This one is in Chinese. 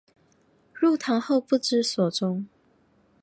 入唐后不知所终。